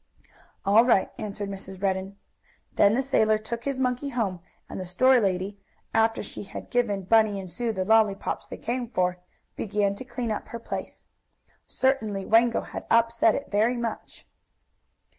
"All right," answered Mrs. Redden. Then the sailor took his monkey home, and the store lady, after she had given Bunny and Sue the lollypops they came for, began to clean up her place. Certainly Wango had upset it very much.